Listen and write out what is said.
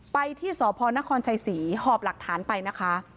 ไปที่สพนครชัยศรีหอบหลักฐานไปนะคะ